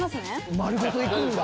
丸ごと行くんだ。